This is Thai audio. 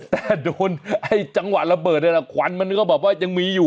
แต่โดนไอ้จังหวะระเบิดนี่แหละควันมันก็แบบว่ายังมีอยู่